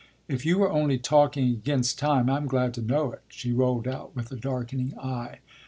If you were only talking against time I'm glad to know it," she rolled out with a darkening eye.